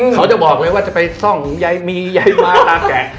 เขาจะบอกเลยว่าจะไปซ่องยายมียายม้าตามแกะ